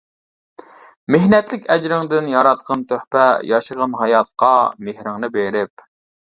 مېھنەتلىك ئەجرىڭدىن ياراتقىن تۆھپە، ياشىغىن ھاياتقا مېھرىڭنى بېرىپ.